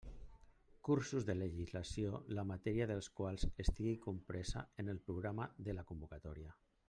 Cursos de legislació la matèria dels quals estiga compresa en el programa de la convocatòria.